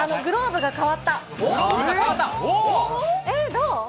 どう？